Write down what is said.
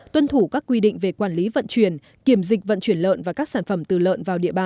tuân thủ các quy định về quản lý vận chuyển kiểm dịch vận chuyển lợn và các sản phẩm từ lợn